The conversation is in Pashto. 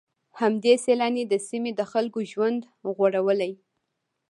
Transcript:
همدې سيلانۍ د سيمې د خلکو ژوند غوړولی.